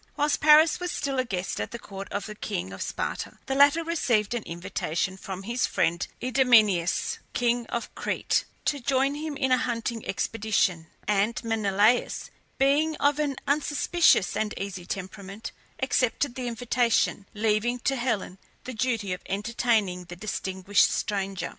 Whilst Paris was still a guest at the court of the king of Sparta, the latter received an invitation from his friend Idomeneus, king of Crete, to join him in a hunting expedition; and Menelaus, being of an unsuspicious and easy temperament, accepted the invitation, leaving to Helen the duty of entertaining the distinguished stranger.